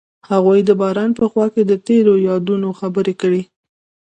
هغوی د باران په خوا کې تیرو یادونو خبرې کړې.